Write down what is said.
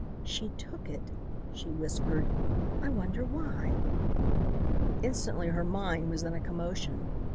"She took it," she whispered. "I wonder why." Instantly her mind was in a commotion.